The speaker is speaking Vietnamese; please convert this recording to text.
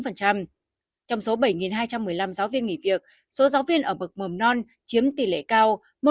trong số bảy hai trăm một mươi năm giáo viên nghỉ việc số giáo viên ở bậc mầm non chiếm tỷ lệ cao